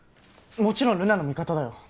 もちろん留奈の味方だよ！